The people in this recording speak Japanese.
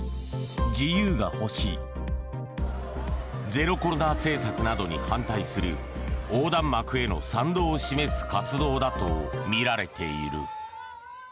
ゼロコロナ政策などに反対する横断幕への賛同を示す活動だとみられている。